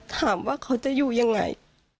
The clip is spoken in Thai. ถามว่าเขาจะอยู่ยังไง